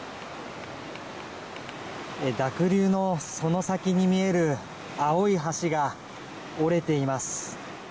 濁流のその先に見える青い橋が折れています。